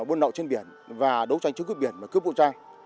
bôn nậu trên biển và đấu tranh chống quyết biển và cướp bộ trang